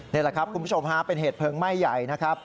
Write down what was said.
นี่แหละครับคุณผู้ชมฮะเป็นเหตุเพลิงไหม้ใหญ่นะครับ